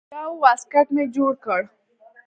يو واسکټ مې جوړ کړ.